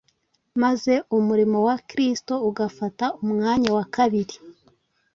maze umurimo wa Kristo ugafata umwanya wa kabiri.